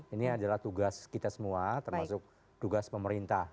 ini adalah tugas kita semua termasuk tugas pemerintah